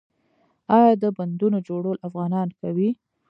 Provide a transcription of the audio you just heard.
آیا د بندونو جوړول افغانان کوي؟